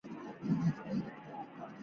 英国侏罗系最顶部的地层单元。